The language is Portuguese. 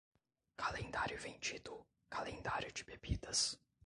Calendário vendido, calendário de bebidas.